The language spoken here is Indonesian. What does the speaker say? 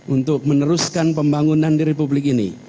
untuk meneruskan pembangunan di republik ini